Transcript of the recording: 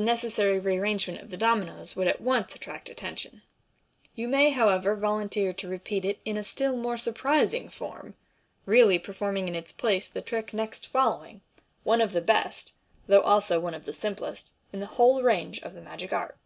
necessary rearrangement of the dominoes would at once attract atten tion, You may, however, volunteer to repeat it in a still more sur prising form, really performing in its place the trick next following, one of the best, though also one of the simplest, in the whole range of the magic art.